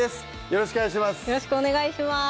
よろしくお願いします